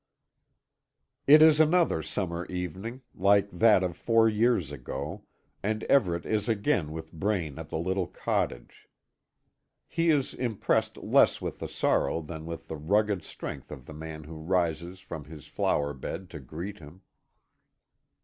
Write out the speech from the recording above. It is another summer evening, like that of four years ago, and Everet is again with Braine at the little cottage. He is impressed less with the sorrow than with the rugged strength of the man who rises from his flower bed to greet him.